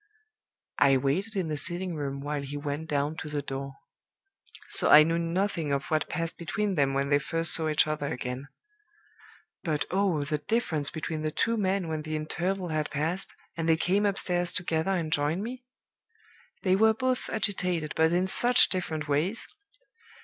"I waited in the sitting room while he went down to the door; so I knew nothing of what passed between them when they first saw each other again. But oh, the difference between the two men when the interval had passed, and they came upstairs together and joined me. "They were both agitated, but in such different ways!